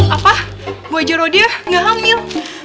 apa bu haji rodia gak hamil